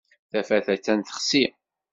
Tafat attan texsi.